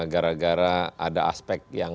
gara gara ada aspek yang